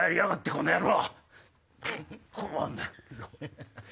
この野郎！